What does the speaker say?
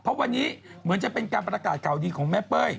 เพราะวันนี้เหมือนจะเป็นการประกาศเก่าดีของแม่เป้ย